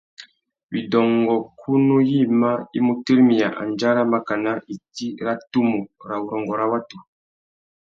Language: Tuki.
Widôngôkunú yïmá i mu tirimiya andjara makana itsi râ tumu râ urrôngô râ watu.